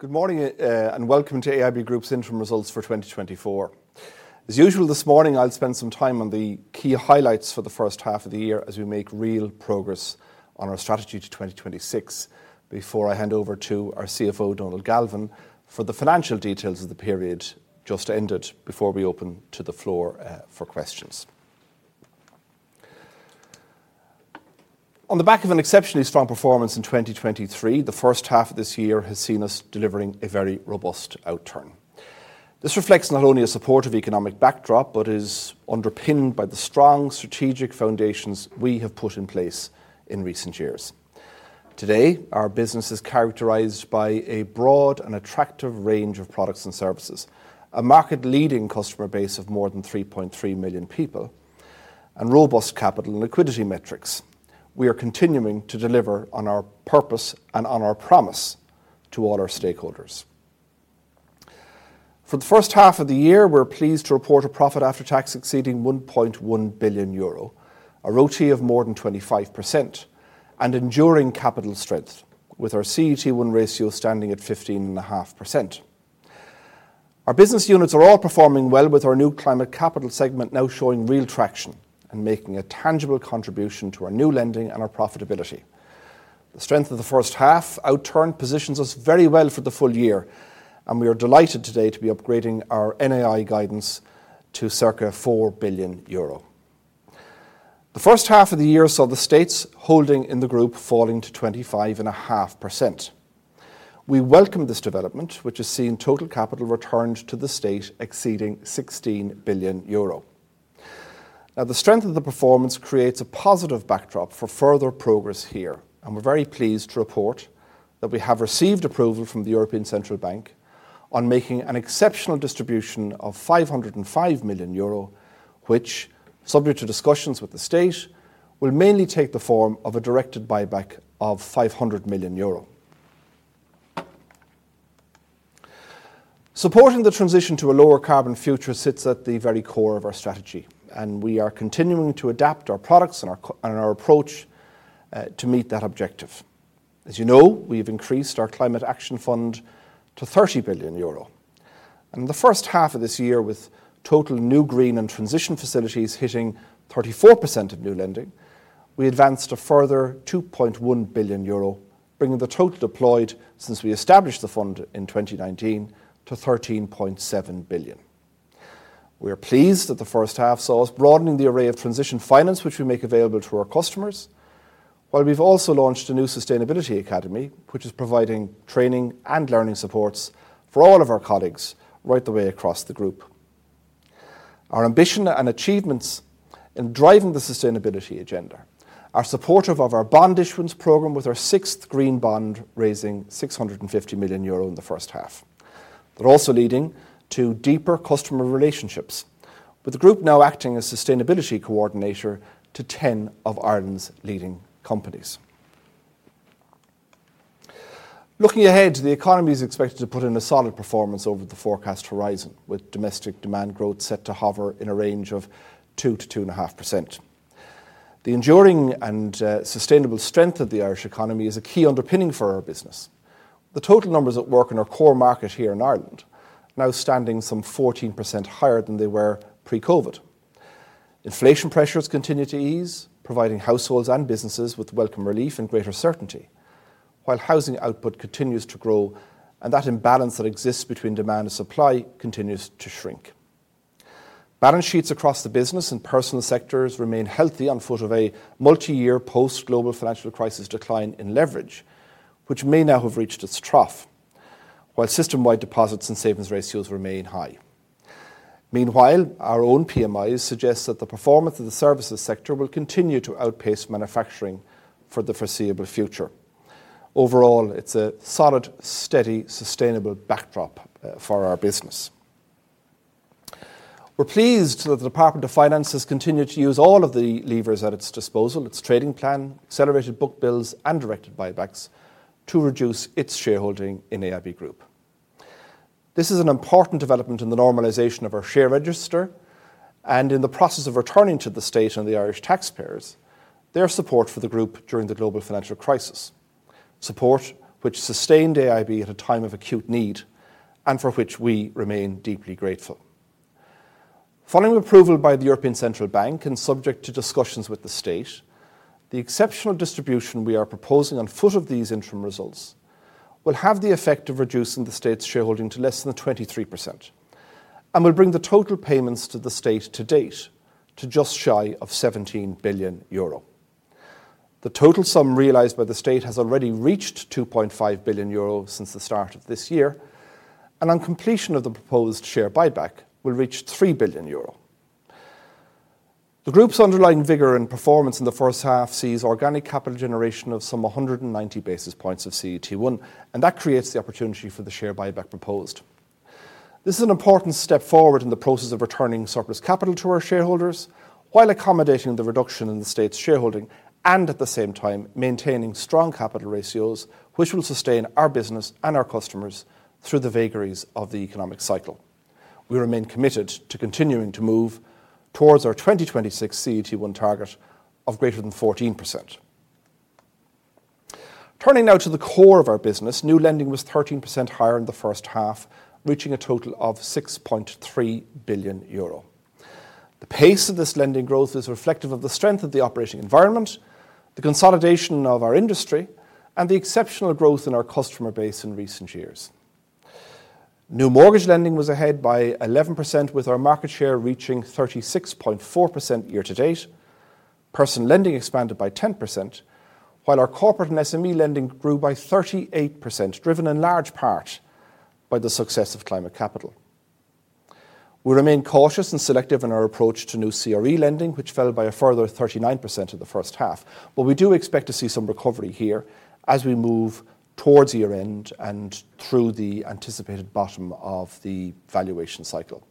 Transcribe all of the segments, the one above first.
Good morning, and welcome to AIB Group's interim results for 2024. As usual, this morning I'll spend some time on the key highlights for the first half of the year as we make real progress on our strategy to 2026, before I hand over to our CFO, Donal Galvin, for the financial details of the period just ended, before we open to the floor for questions. On the back of an exceptionally strong performance in 2023, the first half of this year has seen us delivering a very robust outturn. This reflects not only a supportive economic backdrop, but is underpinned by the strong strategic foundations we have put in place in recent years. Today, our business is characterized by a broad and attractive range of products and services, a market-leading customer base of more than 3.3 million people, and robust capital and liquidity metrics. We are continuing to deliver on our purpose and on our promise to all our stakeholders. For the first half of the year, we're pleased to report a profit after tax exceeding 1.1 billion euro, a ROTE of more than 25%, and enduring capital strength, with our CET1 ratio standing at 15.5%. Our business units are all performing well, with our Climate Capital segment now showing real traction and making a tangible contribution to our new lending and our profitability. The strength of the first half outturn positions us very well for the full year, and we are delighted today to be upgrading our NII guidance to circa 4 billion euro. The first half of the year saw the State's holding in the group falling to 25.5%. We welcome this development, which has seen total capital returned to the State exceeding EUR 16 billion. Now, the strength of the performance creates a positive backdrop for further progress here, and we're very pleased to report that we have received approval from the European Central Bank on making an exceptional distribution of 505 million euro, which, subject to discussions with the State, will mainly take the form of a directed buyback of 500 million euro. Supporting the transition to a lower-carbon future sits at the very core of our strategy, and we are continuing to adapt our products and our approach to meet that objective. As you know, we've increased our Climate Action Fund to 30 billion euro. In the first half of this year, with total new green and transition facilities hitting 34% of new lending, we advanced a further 2.1 billion euro, bringing the total deployed since we established the fund in 2019 to 13.7 billion. We are pleased that the first half saw us broadening the array of transition finance which we make available to our customers, while we've also launched a new Sustainability Academy, which is providing training and learning supports for all of our colleagues right the way across the group. Our ambition and achievements in driving the sustainability agenda are supportive of our bond issuance program, with our sixth green bond raising 650 million euro in the first half. They're also leading to deeper customer relationships, with the group now acting as sustainability coordinator to 10 of Ireland's leading companies. Looking ahead, the economy is expected to put in a solid performance over the forecast horizon, with domestic demand growth set to hover in a range of 2%-2.5%. The enduring and sustainable strength of the Irish economy is a key underpinning for our business, with total numbers at work in our core market here in Ireland now standing some 14% higher than they were pre-COVID. Inflation pressures continue to ease, providing households and businesses with welcome relief and greater certainty, while housing output continues to grow, and that imbalance that exists between demand and supply continues to shrink. Balance sheets across the business and personal sectors remain healthy on foot of a multiyear post-global financial crisis decline in leverage, which may now have reached its trough, while system-wide deposits and savings ratios remain high. Meanwhile, our own PMIs suggest that the performance of the services sector will continue to outpace manufacturing for the foreseeable future. Overall, it's a solid, steady, sustainable backdrop, for our business. We're pleased that the Department of Finance has continued to use all of the levers at its disposal, its trading plan, accelerated bookbuilds, and directed buybacks, to reduce its shareholding in AIB Group. This is an important development in the normalization of our share register and in the process of returning to the State and the Irish taxpayers their support for the group during the global financial crisis, support which sustained AIB at a time of acute need and for which we remain deeply grateful. Following approval by the European Central Bank, and subject to discussions with the State, the exceptional distribution we are proposing on foot of these interim results will have the effect of reducing the State's shareholding to less than 23% and will bring the total payments to the State to date to just shy of 17 billion euro. The total sum realized by the State has already reached 2.5 billion euro since the start of this year, and on completion of the proposed share buyback, will reach 3 billion euro. The group's underlying vigor and performance in the first half sees organic capital generation of some 100 basis points of CET1, and that creates the opportunity for the share buyback proposed. This is an important step forward in the process of returning surplus capital to our shareholders while accommodating the reduction in the State's shareholding and, at the same time, maintaining strong capital ratios, which will sustain our business and our customers through the vagaries of the economic cycle. We remain committed to continuing to move towards our 2026 CET1 target of greater than 14%. Turning now to the core of our business, new lending was 13% higher in the first half, reaching a total of 6.3 billion euro. The pace of this lending growth is reflective of the strength of the operating environment, the consolidation of our industry, and the exceptional growth in our customer base in recent years. New mortgage lending was ahead by 11%, with our market share reaching 36.4% year to date. Personal lending expanded by 10%, while our corporate and SME lending grew by 38%, driven in large part by the success Climate Capital. we remain cautious and selective in our approach to new CRE lending, which fell by a further 39% in the first half, but we do expect to see some recovery here as we move towards year-end and through the anticipated bottom of the valuation cycle.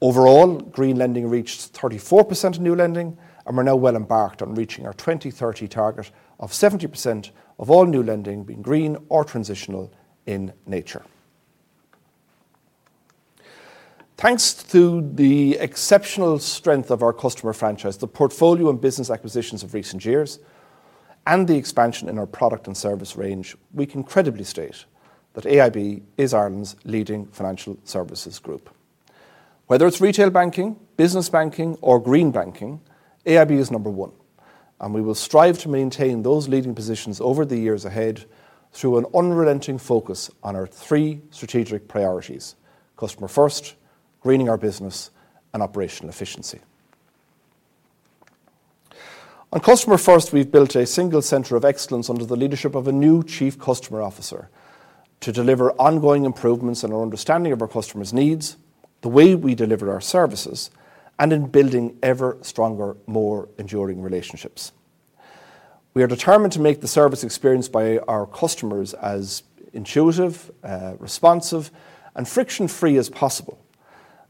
Overall, green lending reached 34% of new lending, and we're now well-embarked on reaching our 2030 target of 70% of all new lending being green or transitional in nature. Thanks to the exceptional strength of our customer franchise, the portfolio and business acquisitions of recent years, and the expansion in our product and service range, we can credibly state that AIB is Ireland's leading financial services group. Whether it's retail banking, business banking, or green banking, AIB is number one, and we will strive to maintain those leading positions over the years ahead through an unrelenting focus on our three strategic priorities: customer first, greening our business, and operational efficiency. On customer first, we've built a single center of excellence under the leadership of a new Chief Customer Officer to deliver ongoing improvements in our understanding of our customers' needs, the way we deliver our services, and in building ever-stronger, more enduring relationships. We are determined to make the service experience by our customers as intuitive, responsive, and friction-free as possible,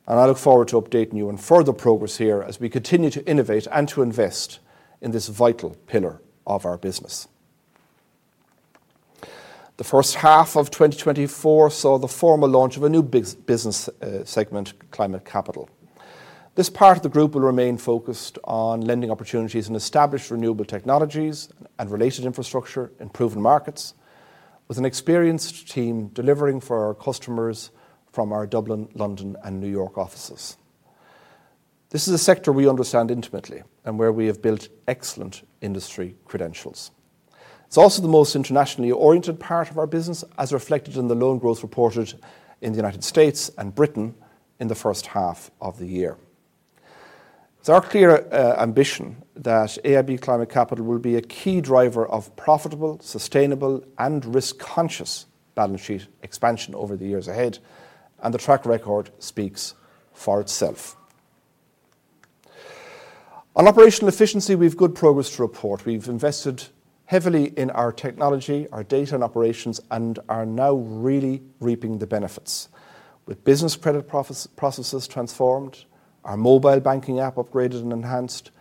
and I look forward to updating you on further progress here as we continue to innovate and to invest in this vital pillar of our business. The first half of 2024 saw the formal launch of a new business Climate Capital. this part of the group will remain focused on lending opportunities in established renewable technologies and related infrastructure in proven markets, with an experienced team delivering for our customers from our Dublin, London, and New York offices. This is a sector we understand intimately and where we have built excellent industry credentials. It's also the most internationally oriented part of our business, as reflected in the loan growth reported in the United States and Britain in the first half of the year. It's our clear ambition that Climate Capital will be a key driver of profitable, sustainable, and risk-conscious balance sheet expansion over the years ahead, and the track record speaks for itself. On operational efficiency, we've good progress to report. We've invested heavily in our technology, our data and operations, and are now really reaping the benefits, with business credit processes transformed, our mobile banking app upgraded and enhanced,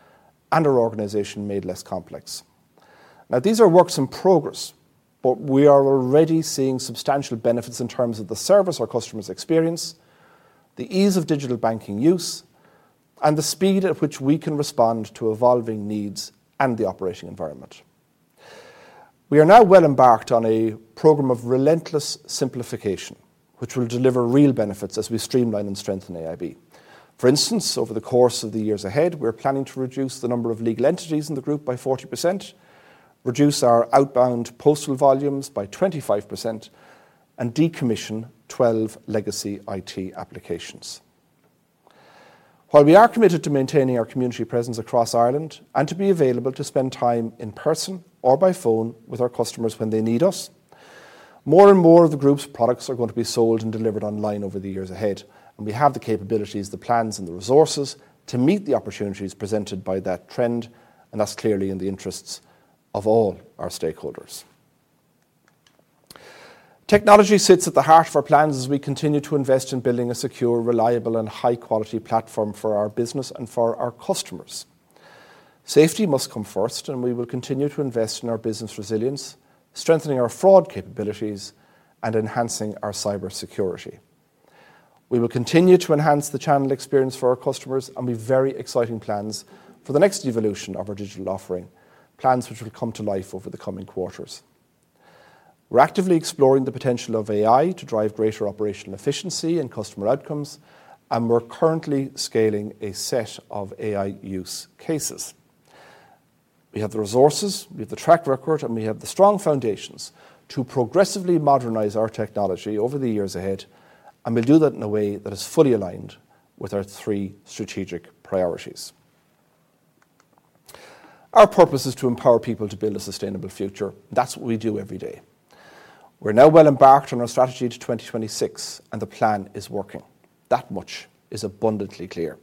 and our organization made less complex. Now, these are works in progress, but we are already seeing substantial benefits in terms of the service our customers experience, the ease of digital banking use, and the speed at which we can respond to evolving needs and the operating environment. We are now well-embarked on a program of relentless simplification, which will deliver real benefits as we streamline and strengthen AIB. For instance, over the course of the years ahead, we're planning to reduce the number of legal entities in the group by 40%, reduce our outbound postal volumes by 25%, and decommission 12 legacy IT applications. While we are committed to maintaining our community presence across Ireland and to be available to spend time in person or by phone with our customers when they need us, more and more of the group's products are going to be sold and delivered online over the years ahead, and we have the capabilities, the plans, and the resources to meet the opportunities presented by that trend, and that's clearly in the interests of all our stakeholders. Technology sits at the heart of our plans as we continue to invest in building a secure, reliable, and high-quality platform for our business and for our customers. Safety must come first, and we will continue to invest in our business resilience, strengthening our fraud capabilities, and enhancing our cybersecurity. We will continue to enhance the channel experience for our customers and we've very exciting plans for the next evolution of our digital offering, plans which will come to life over the coming quarters. We're actively exploring the potential of AI to drive greater operational efficiency and customer outcomes, and we're currently scaling a set of AI use cases. We have the resources, we have the track record, and we have the strong foundations to progressively modernize our technology over the years ahead, and we'll do that in a way that is fully aligned with our three strategic priorities. Our purpose is to empower people to build a sustainable future. That's what we do every day. We're now well-embarked on our strategy to 2026, and the plan is working. That much is abundantly clear.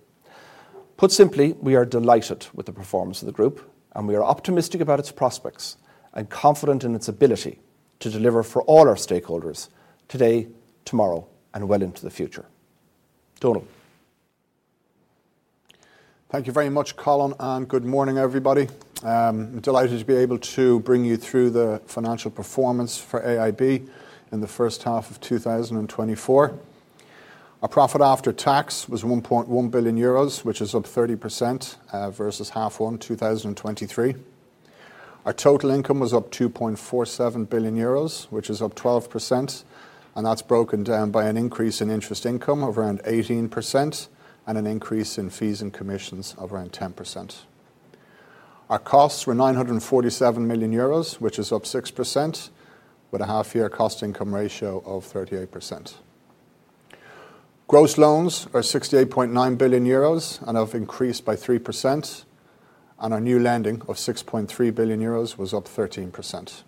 Put simply, we are delighted with the performance of the group, and we are optimistic about its prospects and confident in its ability to deliver for all our stakeholders today, tomorrow, and well into the future. Donal? Thank you very much, Colin, and good morning, everybody. Delighted to be able to bring you through the financial performance for AIB in the first half of 2024. Our profit after tax was 1.1 billion euros, which is up 30%, versus H1, 2023. Our total income was up 2.47 billion euros, which is up 12%, and that's broken down by an increase in interest income of around 18% and an increase in fees and commissions of around 10%. Our costs were 947 million euros, which is up 6%, with a half-year cost income ratio of 38%. Gross loans are 68.9 billion euros and have increased by 3%, and our new lending of 6.3 billion euros was up 13%.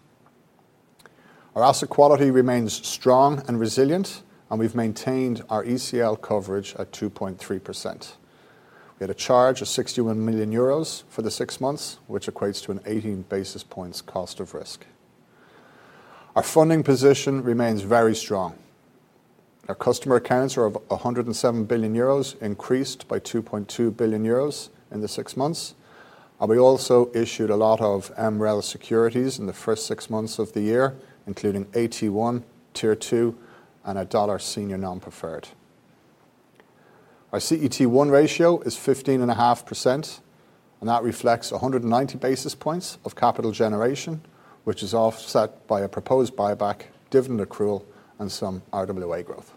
Our asset quality remains strong and resilient, and we've maintained our ECL coverage at 2.3%. We had a charge of 61 million euros for the six months, which equates to an 18 basis points cost of risk. Our funding position remains very strong. Our customer accounts are of 107 billion euros, increased by 2.2 billion euros in the six months, and we also issued a lot of MREL securities in the first six months of the year, including AT1, Tier 2, and a dollar senior non-preferred. Our CET1 ratio is 15.5%, and that reflects 190 basis points of capital generation, which is offset by a proposed buyback, dividend accrual, and some RWA growth.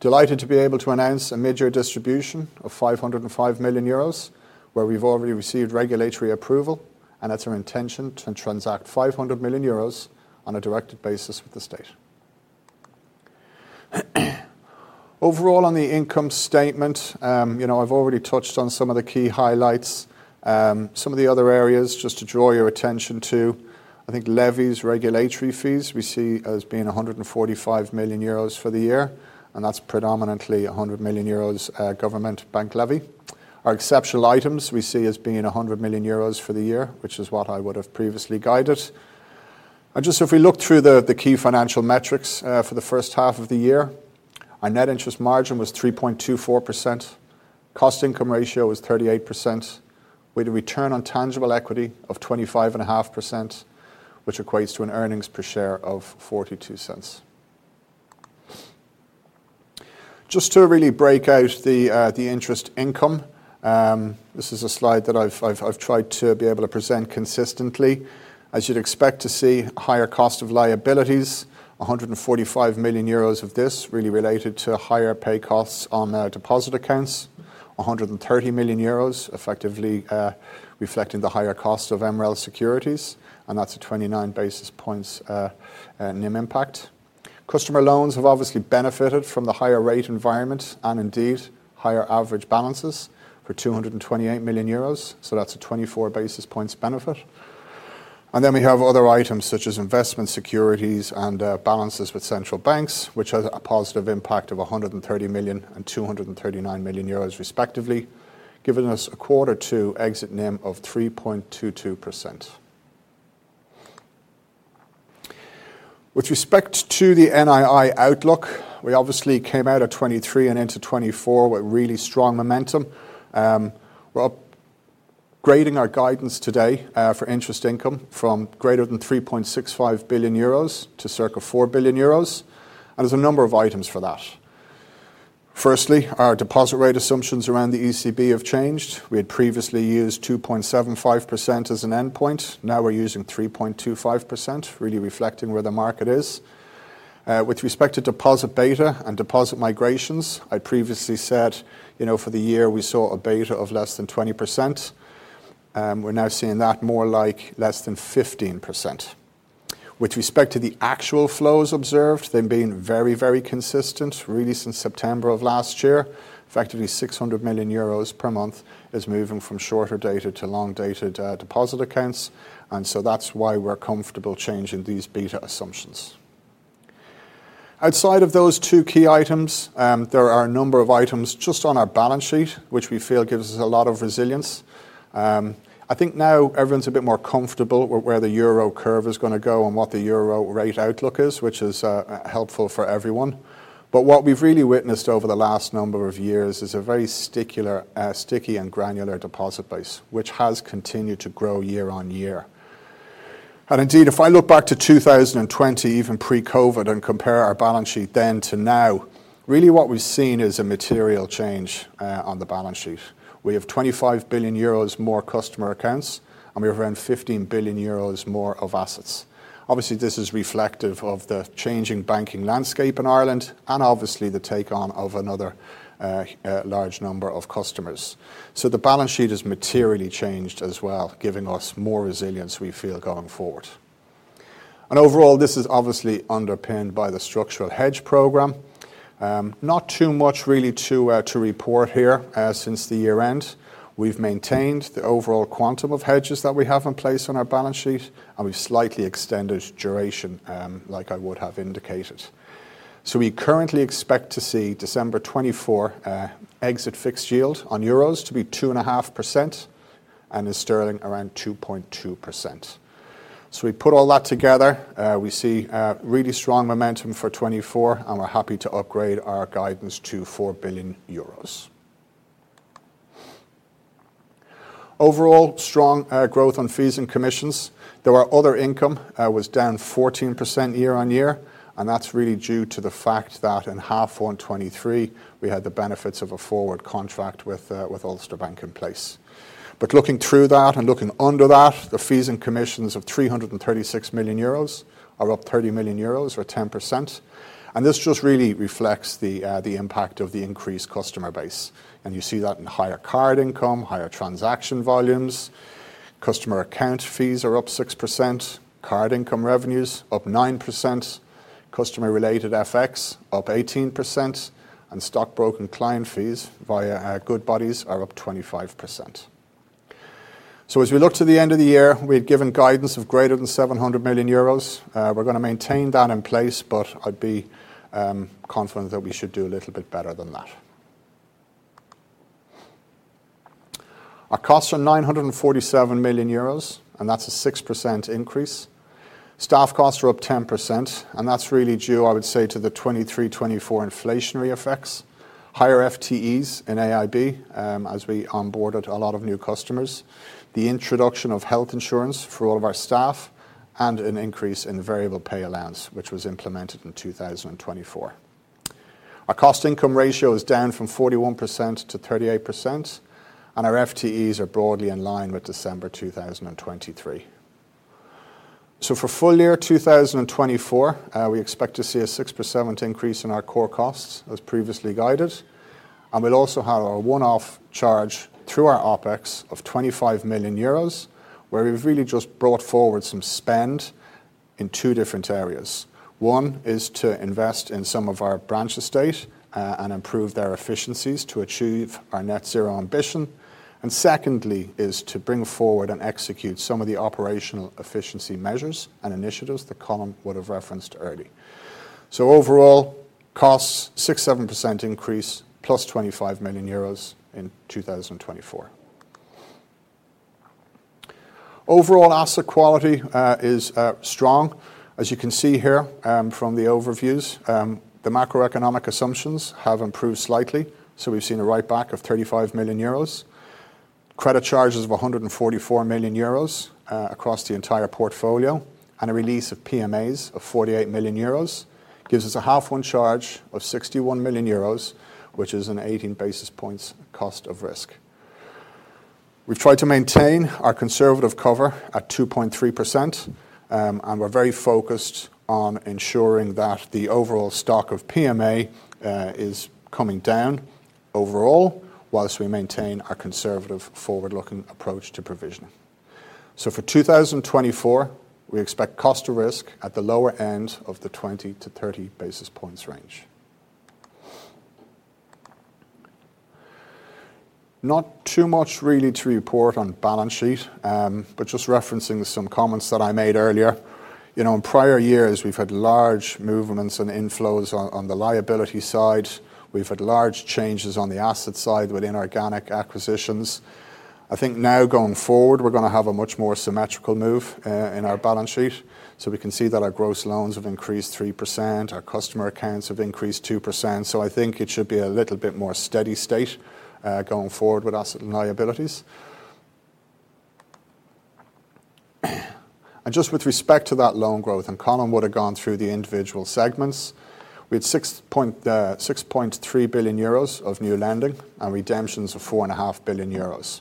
Delighted to be able to announce a major distribution of 505 million euros, where we've already received regulatory approval, and it's our intention to transact 500 million euros on a directed basis with the State. Overall, on the income statement, you know, I've already touched on some of the key highlights. Some of the other areas, just to draw your attention to, I think levies, regulatory fees we see as being 145 million euros for the year, and that's predominantly 100 million euros, government bank levy. Our exceptional items we see as being 100 million euros for the year, which is what I would have previously guided. Just if we look through the key financial metrics, for the first half of the year, our net interest margin was 3.24%. cost income ratio was 38%, with a return on tangible equity of 25.5%, which equates to an earnings per share of 0.42. Just to really break out the, the interest income, this is a slide that I've tried to be able to present consistently. As you'd expect to see, higher cost of liabilities, 145 million euros of this really related to higher pay costs on, deposit accounts, 130 million euros, effectively, reflecting the higher cost of MREL securities, and that's a 29 basis points NIM impact. Customer loans have obviously benefited from the higher rate environment and indeed higher average balances for 228 million euros, so that's a 24 basis points benefit. And then we have other items such as investment securities and balances with central banks, which has a positive impact of 130 million and 239 million euros respectively, giving us a quarter-to-exit NIM of 3.22%. With respect to the NII outlook, we obviously came out of 2023 and into 2024 with really strong momentum. We're upgrading our guidance today for interest income from greater than 3.65 billion euros to circa 4 billion euros, and there's a number of items for that. Firstly, our deposit rate assumptions around the ECB have changed. We had previously used 2.75% as an endpoint. Now we're using 3.25%, really reflecting where the market is. With respect to deposit beta and deposit migrations, I previously said, you know, for the year, we saw a beta of less than 20%, we're now seeing that more like less than 15%. With respect to the actual flows observed, they've been very, very consistent, really since September of last year. Effectively, 600 million euros per month is moving from shorter dated to long-dated deposit accounts, and so that's why we're comfortable changing these beta assumptions. Outside of those two key items, there are a number of items just on our balance sheet, which we feel gives us a lot of resilience. I think now everyone's a bit more comfortable with where the euro curve is gonna go and what the euro rate outlook is, which is helpful for everyone. But what we've really witnessed over the last number of years is a very sticky and granular deposit base, which has continued to grow year on year. And indeed, if I look back to 2020, even pre-COVID, and compare our balance sheet then to now, really what we've seen is a material change on the balance sheet. We have 25 billion euros more customer accounts, and we have around 15 billion euros more of assets. Obviously, this is reflective of the changing banking landscape in Ireland, and obviously the take-on of another large number of customers. So the balance sheet has materially changed as well, giving us more resilience, we feel, going forward. And overall, this is obviously underpinned by the structural hedge program. Not too much really to report here. Since the year-end, we've maintained the overall quantum of hedges that we have in place on our balance sheet, and we've slightly extended duration, like I would have indicated. So we currently expect to see December 2024 exit fixed yield on euros to be 2.5%... and in sterling, around 2.2%. So we put all that together, we see really strong momentum for 2024, and we're happy to upgrade our guidance to 4 billion euros. Overall, strong growth on fees and commissions. Though our other income was down 14% year-on-year, and that's really due to the fact that in half 1 2023, we had the benefits of a forward contract with Ulster Bank in place. But looking through that and looking under that, the fees and commissions of 336 million euros are up 30 million euros, or 10%, and this just really reflects the impact of the increased customer base. And you see that in higher card income, higher transaction volumes. Customer account fees are up 6%, card income revenues up 9%, customer-related FX up 18%, and stockbroker and client fees via our Goodbody are up 25%. So as we look to the end of the year, we've given guidance of greater than 700 million euros. We're going to maintain that in place, but I'd be confident that we should do a little bit better than that. Our costs are 947 million euros, and that's a 6% increase. Staff costs are up 10%, and that's really due, I would say, to the 2023-2024 inflationary effects, higher FTEs in AIB, as we onboarded a lot of new customers, the introduction of health insurance for all of our staff, and an increase in variable pay allowance, which was implemented in 2024. Our cost income ratio is down from 41% to 38%, and our FTEs are broadly in line with December 2023. So for full year 2024, we expect to see a 6% increase in our core costs as previously guided, and we'll also have our one-off charge through our OpEx of 25 million euros, where we've really just brought forward some spend in two different areas. One is to invest in some of our branch estate, and improve their efficiencies to achieve our net zero ambition. Secondly, is to bring forward and execute some of the operational efficiency measures and initiatives that Colin would have referenced earlier. Overall, costs 6%-7% increase, +EUR 25 million in 2024. Overall asset quality is strong. As you can see here, from the overviews, the macroeconomic assumptions have improved slightly, so we've seen a writeback of 35 million euros, credit charges of 144 million euros across the entire portfolio, and a release of PMAs of 48 million euros. Gives us a H1 charge of 61 million euros, which is an 18 basis points cost of risk. We've tried to maintain our conservative cover at 2.3%, and we're very focused on ensuring that the overall stock of PMA is coming down overall, while we maintain our conservative forward-looking approach to provisioning. So for 2024, we expect cost to risk at the lower end of the 20-30 basis points range. Not too much really to report on balance sheet, but just referencing some comments that I made earlier. You know, in prior years, we've had large movements and inflows on the liability side. We've had large changes on the asset side with inorganic acquisitions. I think now going forward, we're going to have a much more symmetrical move in our balance sheet. So we can see that our gross loans have increased 3%, our customer accounts have increased 2%. I think it should be a little bit more steady state going forward with assets and liabilities. And just with respect to that loan growth, and Colin would have gone through the individual segments, we had 6.3 billion euros of new lending and redemptions of 4.5 billion euros.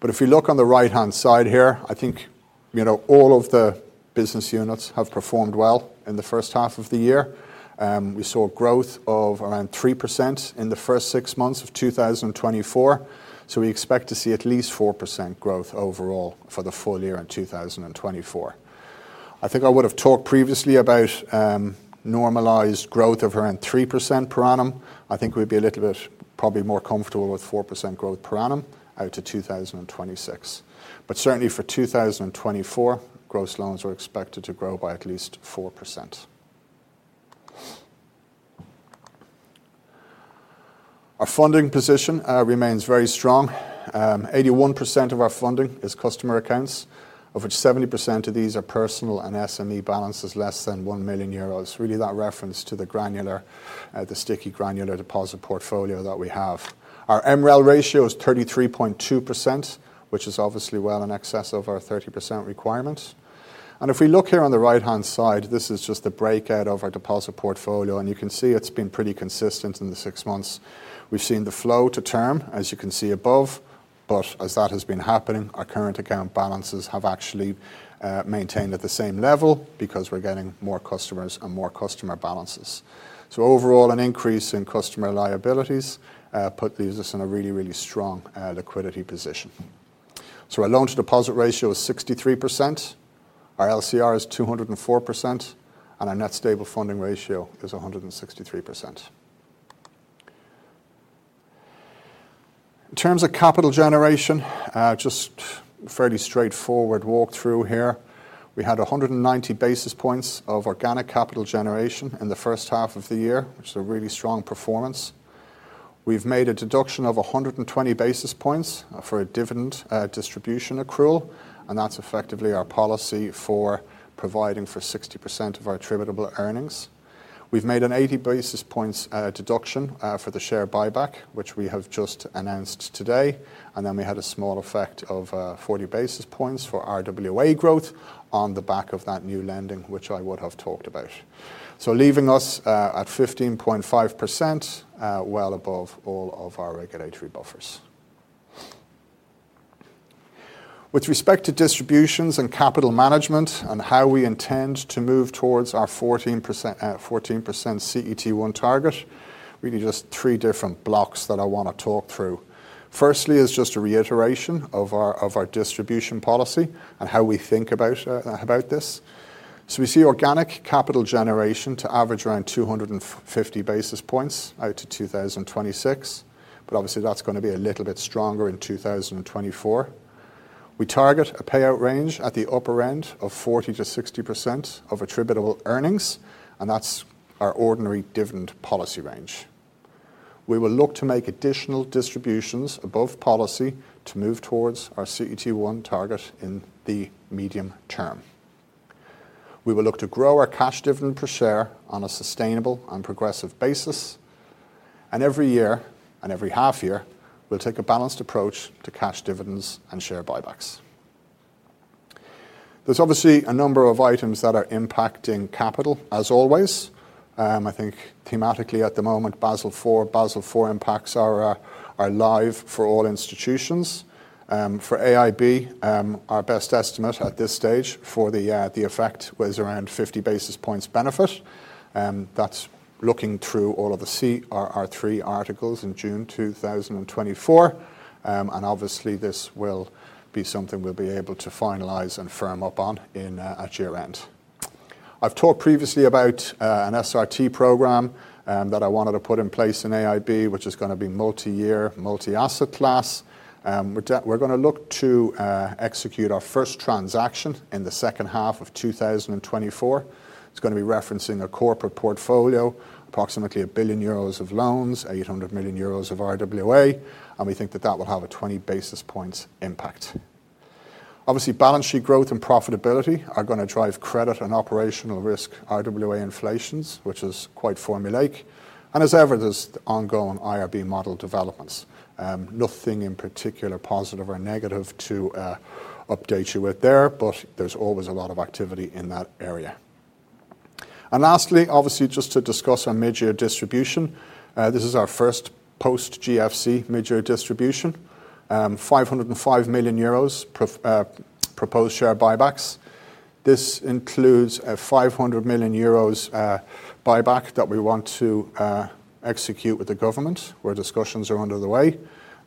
But if you look on the right-hand side here, I think, you know, all of the business units have performed well in the first half of the year. We saw growth of around 3% in the first six months of 2024, so we expect to see at least 4% growth overall for the full year in 2024. I think I would have talked previously about normalized growth of around 3% per annum. I think we'd be a little bit probably more comfortable with 4% growth per annum out to 2026. But certainly for 2024, gross loans are expected to grow by at least 4%. Our funding position remains very strong. 81% of our funding is customer accounts, of which 70% of these are personal and SME balances, less than 1 million euros. Really, that reference to the granular, the sticky, granular deposit portfolio that we have. Our MREL ratio is 33.2%, which is obviously well in excess of our 30% requirement. And if we look here on the right-hand side, this is just the breakout of our deposit portfolio, and you can see it's been pretty consistent in the six months. We've seen the flow to term, as you can see above, but as that has been happening, our current account balances have actually maintained at the same level because we're getting more customers and more customer balances. So overall, an increase in customer liabilities put us in a really, really strong liquidity position. So our loan-to-deposit ratio is 63%, our LCR is 204%, and our net stable funding ratio is 163%. In terms of capital generation, just fairly straightforward walk through here. We had 190 basis points of organic capital generation in the first half of the year, which is a really strong performance. We've made a deduction of 120 basis points for a dividend distribution accrual, and that's effectively our policy for providing for 60% of our attributable earnings. We've made an 80 basis points deduction for the share buyback, which we have just announced today, and then we had a small effect of 40 basis points for RWA growth on the back of that new lending, which I would have talked about. So leaving us at 15.5%, well above all of our regulatory buffers. With respect to distributions and capital management and how we intend to move towards our 14%, 14% CET1 target, really just three different blocks that I want to talk through. Firstly, is just a reiteration of our distribution policy and how we think about this. So we see organic capital generation to average around 250 basis points out to 2026, but obviously, that's going to be a little bit stronger in 2024. We target a payout range at the upper end of 40%-60% of attributable earnings, and that's our ordinary dividend policy range. We will look to make additional distributions above policy to move towards our CET1 target in the medium term. We will look to grow our cash dividend per share on a sustainable and progressive basis, and every year, and every half year, we'll take a balanced approach to cash dividends and share buybacks. There's obviously a number of items that are impacting capital, as always. I think thematically at the moment, Basel IV, Basel IV impacts are live for all institutions. For AIB, our best estimate at this stage for the, the effect was around 50 basis points benefit, that's looking through all of the CRR3 articles in June 2024. And obviously, this will be something we'll be able to finalize and firm up on in, at year-end. I've talked previously about, an SRT program, that I wanted to put in place in AIB, which is going to be multi-year, multi-asset class. We're going to look to, execute our first transaction in the second half of 2024. It's going to be referencing a corporate portfolio, approximately 1 billion euros of loans, 800 million euros of RWA, and we think that that will have a 20 basis points impact. Obviously, balance sheet growth and profitability are going to drive credit and operational risk RWA inflations, which is quite formulaic. As ever, there's the ongoing IRB model developments. Nothing in particular, positive or negative, to update you with there, but there's always a lot of activity in that area. Lastly, obviously, just to discuss our mid-year distribution. This is our first post-GFC mid-year distribution, 505 million euros proposed share buybacks. This includes a 500 million euros buyback that we want to execute with the government, where discussions are underway.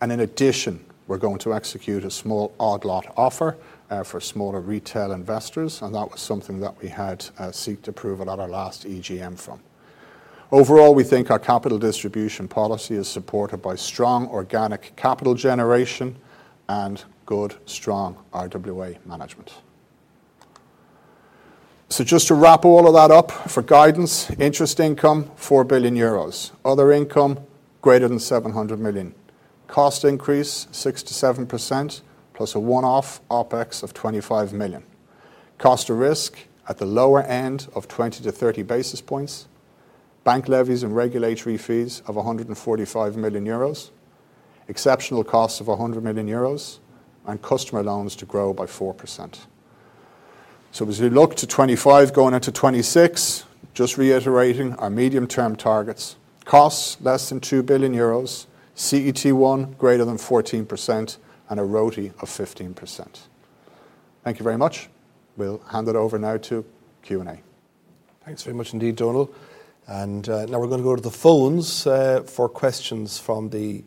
In addition, we're going to execute a small odd lot offer for smaller retail investors, and that was something that we had seek to approve at our last EGM forum. Overall, we think our capital distribution policy is supported by strong organic capital generation and good, strong RWA management. So just to wrap all of that up, for guidance, interest income, 4 billion euros. Other income, greater than 700 million. Cost increase, 6%-7%, plus a one-off OpEx of 25 million. Cost of risk at the lower end of 20-30 basis points. Bank levies and regulatory fees of 145 million euros. Exceptional costs of 100 million euros, and customer loans to grow by 4%. So as we look to 2025 going into 2026, just reiterating our medium-term targets. Costs, less than 2 billion euros. CET1, greater than 14%, and a ROTE of 15%. Thank you very much. We'll hand it over now to Q&A. Thanks very much indeed, Donal. Now we're going to go to the phones for questions from the,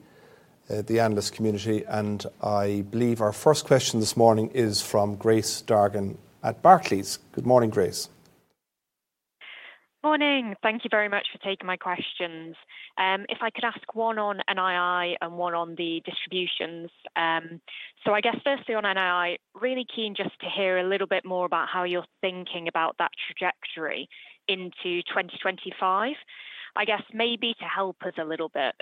the analyst community, and I believe our first question this morning is from Grace Dargan at Barclays. Good morning, Grace. Morning. Thank you very much for taking my questions. If I could ask one on NII and one on the distributions. So I guess firstly on NII, really keen just to hear a little bit more about how you're thinking about that trajectory into 2025. I guess maybe to help us a little bit,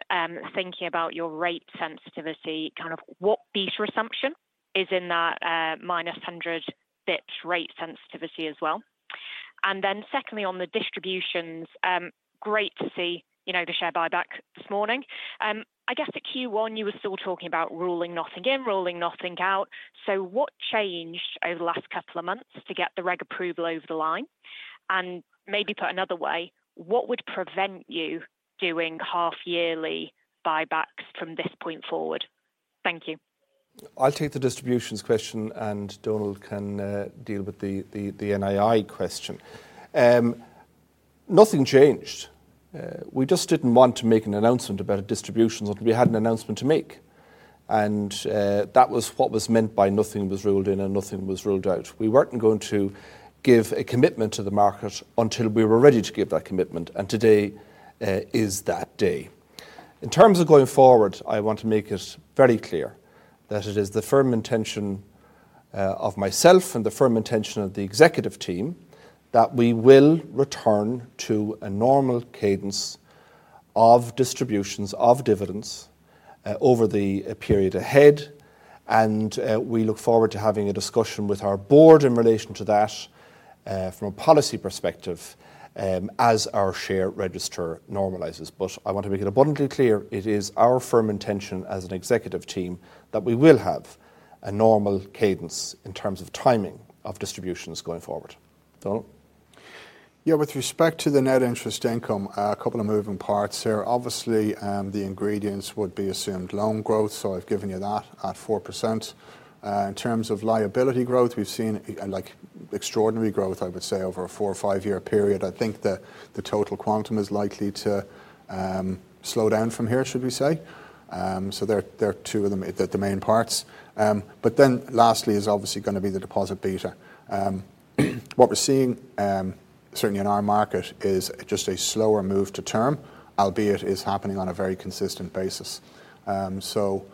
thinking about your rate sensitivity, kind of what base assumption is in that, minus 100 basis points rate sensitivity as well? And then secondly, on the distributions, great to see, you know, the share buyback this morning. I guess at Q1, you were still talking about ruling nothing in, ruling nothing out. So what changed over the last couple of months to get the reg approval over the line? And maybe put another way, what would prevent you doing half-yearly buybacks from this point forward? Thank you. I'll take the distributions question, and Donal can deal with the NII question. Nothing changed. We just didn't want to make an announcement about a distribution until we had an announcement to make, and that was what was meant by nothing was ruled in and nothing was ruled out. We weren't going to give a commitment to the market until we were ready to give that commitment, and today is that day. In terms of going forward, I want to make it very clear that it is the firm intention of myself and the firm intention of the executive team that we will return to a normal cadence of distributions of dividends over the period ahead, and we look forward to having a discussion with our board in relation to that from a policy perspective as our share register normalizes. But I want to make it abundantly clear, it is our firm intention as an executive team that we will have a normal cadence in terms of timing of distributions going forward. Donal? Yeah, with respect to the net interest income, a couple of moving parts here. Obviously, the ingredients would be assumed loan growth, so I've given you that at 4%. In terms of liability growth, we've seen, like extraordinary growth, I would say, over a four or five-year period. I think the, the total quantum is likely to, slow down from here, should we say. So there, there are two of them, the, the main parts. But then lastly is obviously gonna be the deposit beta. What we're seeing, certainly in our market, is just a slower move to term, albeit it is happening on a very consistent basis. So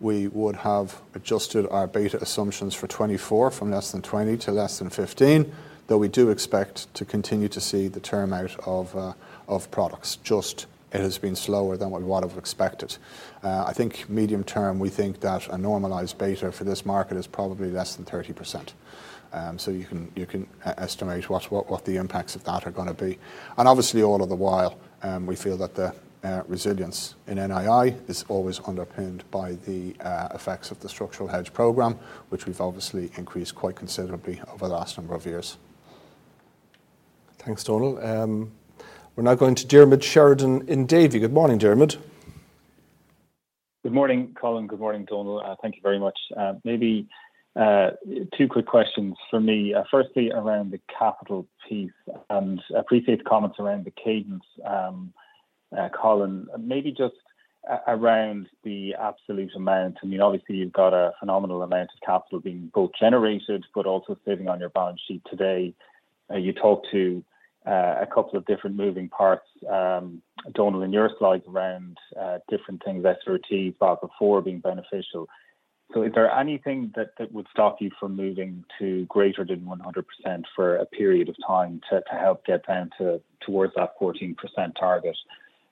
we would have adjusted our beta assumptions for 2024, from less than 20 to less than 15, though we do expect to continue to see the term out of of products. Just it has been slower than what we would have expected. I think medium term, we think that a normalized beta for this market is probably less than 30%. So you can estimate what the impacts of that are gonna be. And obviously, all of the while, we feel that the resilience in NII is always underpinned by the effects of the structural hedge program, which we've obviously increased quite considerably over the last number of years. Thanks, Donal. We're now going to Diarmaid Sheridan in Davy. Good morning, Diarmuid. Good morning, Colin. Good morning, Donal. Thank you very much. Maybe two quick questions for me. Firstly, around the capital piece, and appreciate the comments around the cadence, Colin. Maybe just around the absolute amount. I mean, obviously, you've got a phenomenal amount of capital being both generated, but also sitting on your balance sheet today. You talked to a couple of different moving parts, Donal, in your slide around different things, SRT, Basel IV being beneficial. So is there anything that would stop you from moving to greater than 100% for a period of time, to help get down towards that 14% target?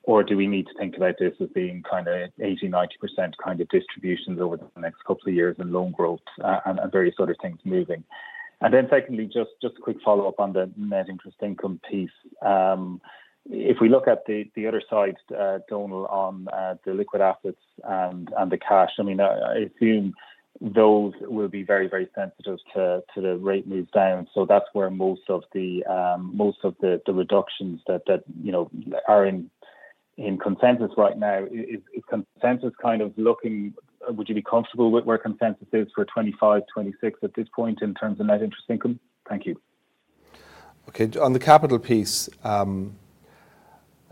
Or do we need to think about this as being kinda 80%-90% kind of distributions over the next couple of years, and loan growth, and various other things moving? And then secondly, a quick follow-up on the net interest income piece. If we look at the other side, Donal, on the liquid assets and the cash, I mean, I assume those will be very, very sensitive to the rate moves down. So that's where most of the reductions that you know are in consensus right now. Is consensus kind of looking? Would you be comfortable with where consensus is for 2025, 2026 at this point, in terms of net interest income? Thank you. Okay. On the capital piece,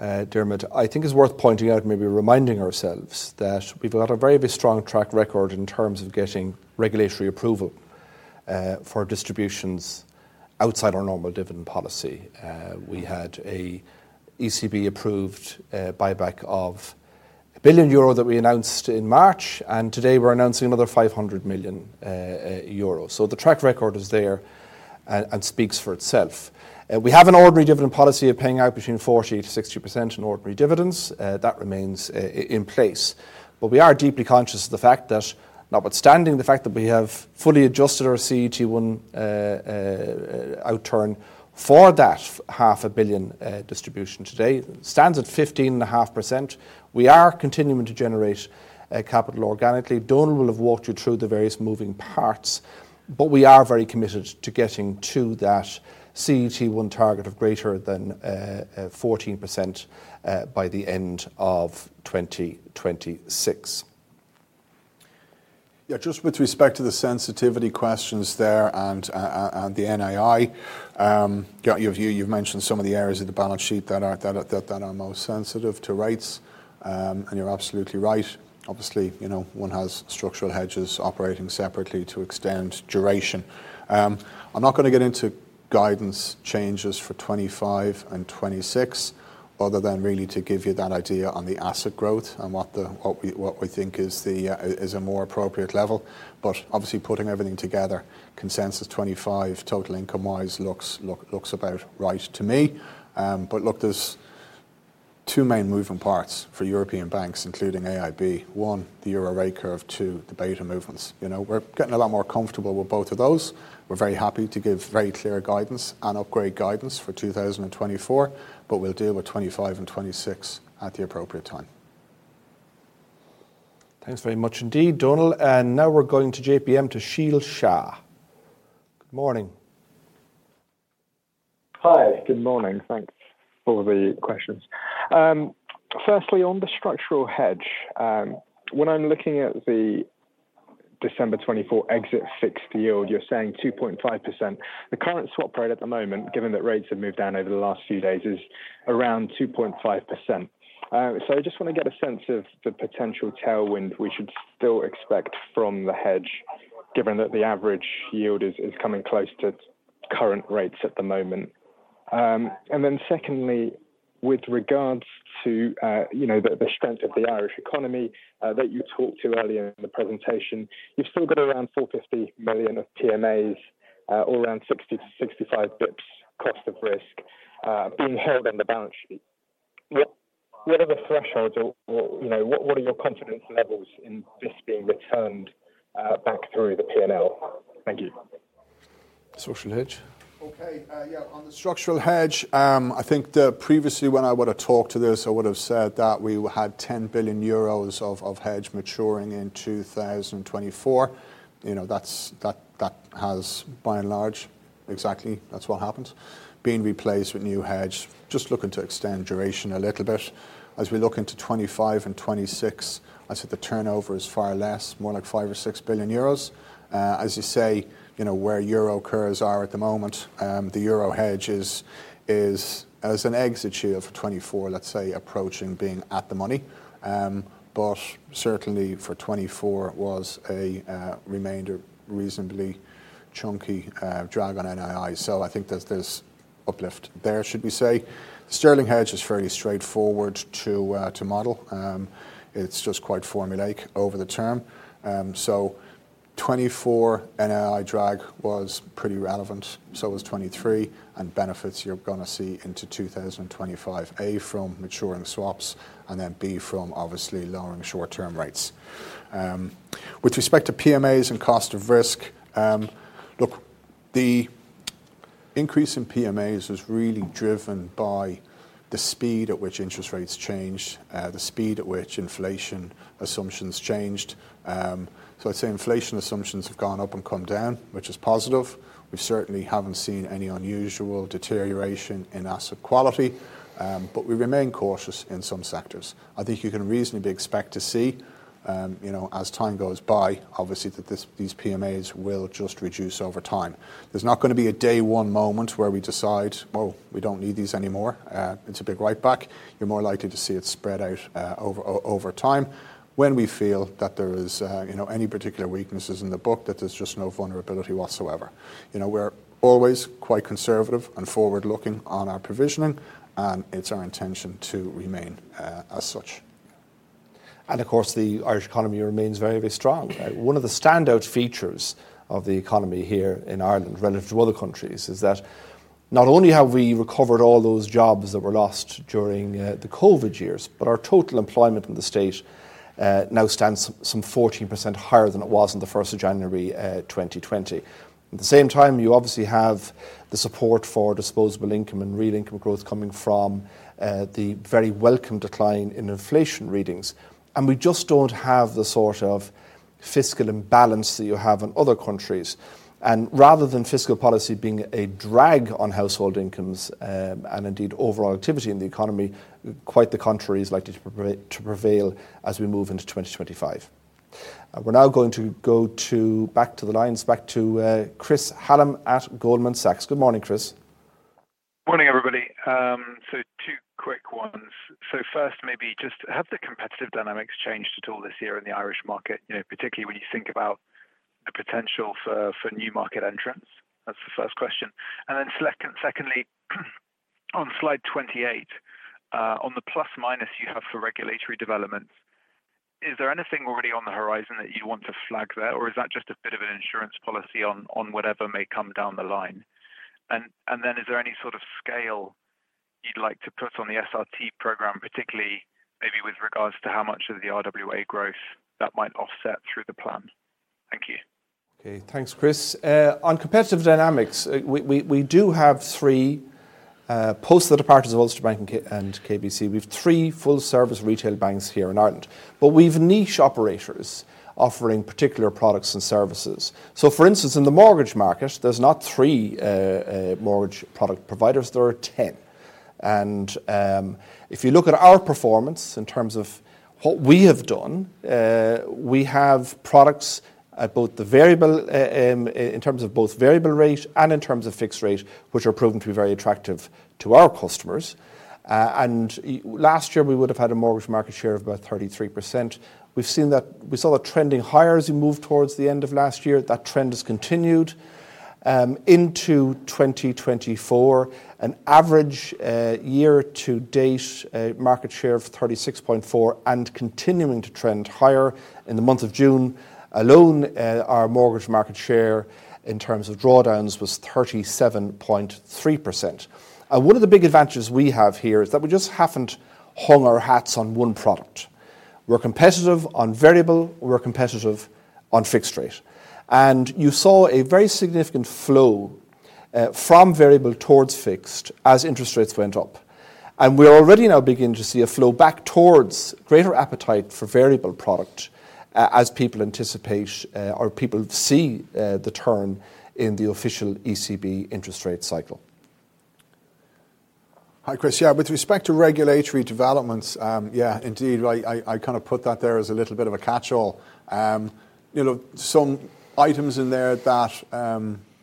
Diarmaid, I think it's worth pointing out, maybe reminding ourselves, that we've got a very, very strong track record in terms of getting regulatory approval for distributions outside our normal dividend policy. We had an ECB-approved buyback of 1 billion euro that we announced in March, and today we're announcing another 500 million euro. So the track record is there and speaks for itself. We have an ordinary dividend policy of paying out between 40%-60% in ordinary dividends. That remains in place. But we are deeply conscious of the fact that notwithstanding the fact that we have fully adjusted our CET1 outturn for that 500 million distribution today stands at 15.5%, we are continuing to generate capital organically. Donal will have walked you through the various moving parts, but we are very committed to getting to that CET1 target of greater than 14% by the end of 2026. Yeah, just with respect to the sensitivity questions there and and the NII, yeah, you've mentioned some of the areas of the balance sheet that are that are most sensitive to rates, and you're absolutely right. Obviously, you know, one has structural hedges operating separately to extend duration. I'm not gonna get into guidance changes for 2025 and 2026, other than really to give you that idea on the asset growth and what we think is a more appropriate level. But obviously, putting everything together, consensus 2025, total income-wise, looks about right to me. But look, there's two main moving parts for European banks, including AIB: one, the euro rate curve, two, the beta movements. You know, we're getting a lot more comfortable with both of those. We're very happy to give very clear guidance and upgrade guidance for 2024, but we'll deal with 2025 and 2026 at the appropriate time. Thanks very much indeed, Donal. Now we're going to JPM, to Sheel Shah. Good morning. Hi, good morning. Thanks for the questions. Firstly, on the structural hedge, when I'm looking at the December 2024 exit fixed yield, you're saying 2.5%. The current swap rate at the moment, given that rates have moved down over the last few days, is around 2.5%. So I just want to get a sense of the potential tailwind we should still expect from the hedge, given that the average yield is coming close to current rates at the moment? And then secondly, with regards to, you know, the strength of the Irish economy, that you talked to earlier in the presentation, you've still got around 450 million of PMAs, or around 60-65 bps cost of risk, being held in the balance sheet. What are the thresholds or, you know, what are your confidence levels in this being returned back through the PNL? Thank you. Structural hedge. Okay, yeah, on the structural hedge, I think that previously when I would've talked to this, I would've said that we had 10 billion euros of hedge maturing in 2024. You know, that's what happened. Being replaced with new hedge, just looking to extend duration a little bit. As we look into 2025 and 2026, I'd say the turnover is far less, more like 5 or 6 billion. As you say, you know, where euro curves are at the moment, the euro hedge is as an exit share for 2024, let's say, approaching being at the money. But certainly for 2024, it was a remainder reasonably chunky drag on NII. So I think there's this uplift there, should we say. Sterling hedge is fairly straightforward to model. It's just quite formulaic over the term. So 2024 NII drag was pretty relevant, so was 2023, and benefits you're going to see into 2025, A, from maturing swaps, and then B, from obviously lowering short-term rates. With respect to PMAs and cost of risk, look, the increase in PMAs was really driven by the speed at which interest rates changed, the speed at which inflation assumptions changed. So I'd say inflation assumptions have gone up and come down, which is positive. We certainly haven't seen any unusual deterioration in asset quality, but we remain cautious in some sectors. I think you can reasonably expect to see, you know, as time goes by, obviously, that this, these PMAs will just reduce over time. There's not gonna be a day one moment where we decide, "Well, we don't need these anymore," it's a big write-back. You're more likely to see it spread out over time when we feel that there is, you know, any particular weaknesses in the book, that there's just no vulnerability whatsoever. You know, we're always quite conservative and forward-looking on our provisioning, and it's our intention to remain as such. And of course, the Irish economy remains very, very strong. One of the standout features of the economy here in Ireland, relative to other countries, is that not only have we recovered all those jobs that were lost during the COVID years, but our total employment in the State now stands some 14% higher than it was on the first of January 2020. At the same time, you obviously have the support for disposable income and real income growth coming from, the very welcome decline in inflation readings. And we just don't have the sort of fiscal imbalance that you have in other countries. And rather than fiscal policy being a drag on household incomes, and indeed overall activity in the economy, quite the contrary is likely to prevail as we move into 2025. We're now going to go to... back to the lines, back to, Chris Hallam at Goldman Sachs. Good morning, Chris. Morning, everybody. So two quick ones. So first, maybe just have the competitive dynamics changed at all this year in the Irish market, you know, particularly when you think about the potential for, for new market entrants? That's the first question. And then secondly, on slide 28, on the plus minus you have for regulatory developments, is there anything already on the horizon that you'd want to flag there, or is that just a bit of an insurance policy on, on whatever may come down the line? And, and then is there any sort of scale you'd like to put on the SRT program, particularly maybe with regards to how much of the RWA growth that might offset through the plan? Thank you. Okay. Thanks, Chris. On competitive dynamics, we do have 3 post the departures of Ulster Bank and KBC. We've 3 full-service retail banks here in Ireland, but we've niche operators offering particular products and services. So for instance, in the mortgage market, there's not 3 mortgage product providers, there are 10. And if you look at our performance in terms of what we have done, we have products at both the variable in terms of both variable rate and in terms of fixed rate, which are proven to be very attractive to our customers. And last year, we would have had a mortgage market share of about 33%. We've seen that we saw that trending higher as we moved towards the end of last year. That trend has continued into 2024, an average year to date market share of 36.4 and continuing to trend higher. In the month of June alone, our mortgage market share, in terms of drawdowns, was 37.3%. And one of the big advantages we have here is that we just haven't hung our hats on one product. We're competitive on variable, we're competitive on fixed rate. And you saw a very significant flow from variable towards fixed as interest rates went up. And we're already now beginning to see a flow back towards greater appetite for variable product as people anticipate or people see the turn in the official ECB interest rate cycle. Hi, Chris. Yeah, with respect to regulatory developments, yeah, indeed, I kind of put that there as a little bit of a catch-all. You know, some items in there that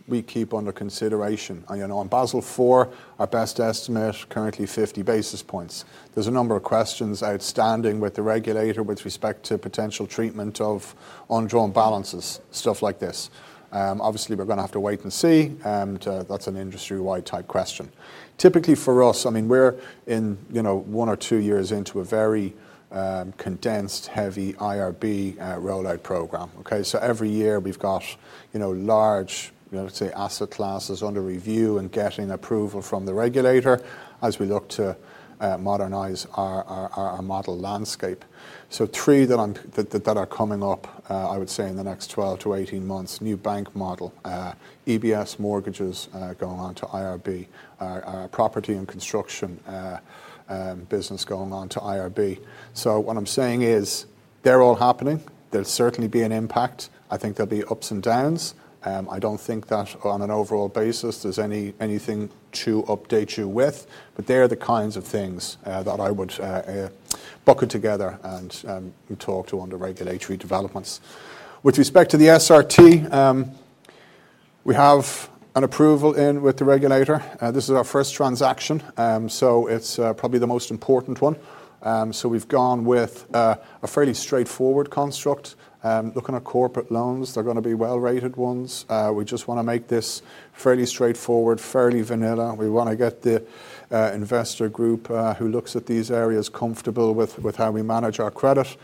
we keep under consideration. You know, on Basel IV, our best estimate, currently 50 basis points. There's a number of questions outstanding with the regulator with respect to potential treatment of on-drawn balances, stuff like this. Obviously, we're going to have to wait and see, and that's an industry-wide type question. Typically for us, I mean, we're in, you know, one or two years into a very condensed, heavy IRB rollout program, okay? So every year we've got, you know, large, let's say, asset classes under review and getting approval from the regulator as we look to modernize our model landscape. So three that are coming up, I would say in the next 12 to 18 months, new bank model, EBS mortgages going on to IRB, our property and construction business going on to IRB. So what I'm saying is, they're all happening. There'll certainly be an impact. I think there'll be ups and downs. I don't think that on an overall basis there's anything to update you with, but they are the kinds of things that I would bucket together and talk to on the regulatory developments. With respect to the SRT, we have an approval in with the regulator. This is our first transaction, so it's probably the most important one. So we've gone with a fairly straightforward construct. Looking at corporate loans, they're going to be well-rated ones. We just want to make this fairly straightforward, fairly vanilla. We want to get the investor group who looks at these areas comfortable with how we manage our credit.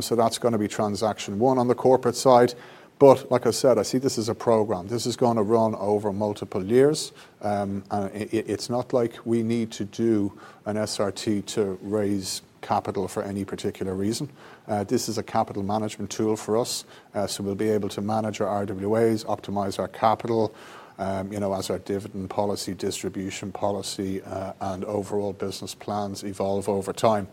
So that's going to be transaction one on the corporate side. But like I said, I see this as a program. This is going to run over multiple years. And it's not like we need to do an SRT to raise capital for any particular reason. This is a capital management tool for us, so we'll be able to manage our RWAs, optimize our capital, you know, as our dividend policy, distribution policy, and overall business plans evolve over time.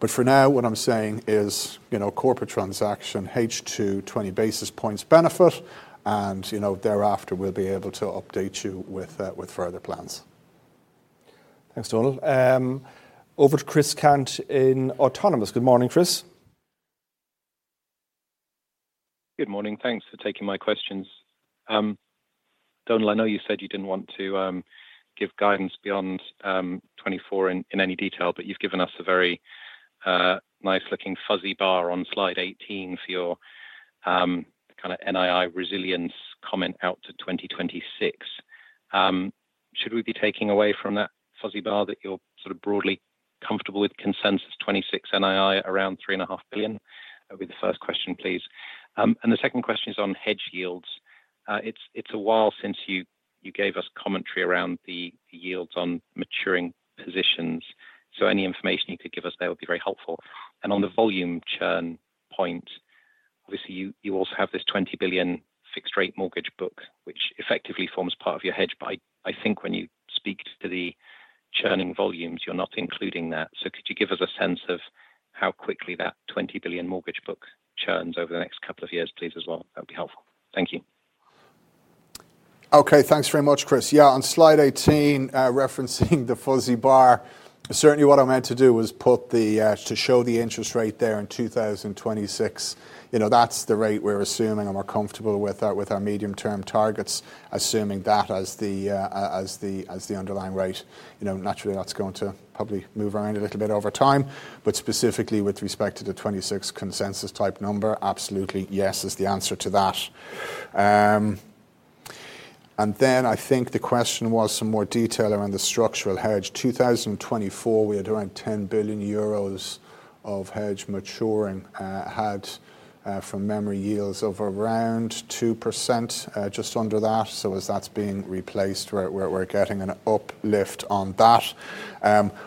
But for now, what I'm saying is, you know, corporate transaction, H2, 20 basis points benefit, and, you know, thereafter, we'll be able to update you with further plans. Thanks, Donal. Over to Chris Cant in Autonomous. Good morning, Chris. Good morning. Thanks for taking my questions. Donal, I know you said you didn't want to give guidance beyond 2024 in any detail, but you've given us a very nice-looking fuzzy bar on slide 18 for your kind of NII resilience comment out to 2026. Should we be taking away from that fuzzy bar that you're sort of broadly comfortable with consensus 2026 NII around 3.5 billion? That'll be the first question, please. And the second question is on hedge yields. It's a while since you gave us commentary around the yields on maturing positions, so any information you could give us there would be very helpful. And on the volume churn point, obviously, you also have this 20 billion fixed-rate mortgage book, which effectively forms part of your hedge. I think when you speak to the churning volumes, you're not including that. Could you give us a sense of how quickly that 20 billion mortgage book churns over the next couple of years, please, as well? That'd be helpful. Thank you. Okay, thanks very much, Chris. Yeah, on slide 18, referencing the fuzzy bar, certainly what I meant to do was put the to show the interest rate there in 2026. You know, that's the rate we're assuming, and we're comfortable with our, with our medium-term targets, assuming that as the, as the, as the underlying rate. You know, naturally, that's going to probably move around a little bit over time, but specifically with respect to the 2026 consensus type number, absolutely yes is the answer to that. And then I think the question was some more detail around the structural hedge. 2024, we had around 10 billion euros of hedge maturing, had from memory yields of around 2%, just under that. So as that's being replaced, we're, we're, we're getting an uplift on that.